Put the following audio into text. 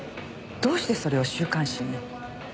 どうしてそれを週刊誌に？